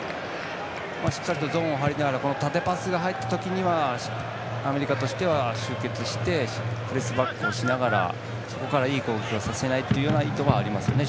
しっかりとゾーンを張りながら縦パスが入った時にはアメリカとしては集結して、プレスバックしながらそこからいい攻撃をさせない意図がありますよね